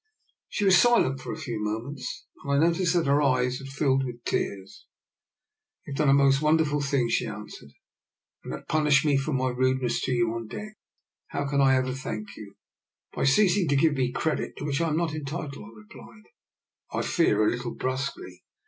She was silent for a few moments, and I noticed that her eyes had filled with tears. " You have done a most wonderful thing," she answered, " and have punished me for my rudeness to you on deck. How can I ever thank you? "" By ceasing to give me credit to which I am not entitled," I replied, I fear a little brusquely.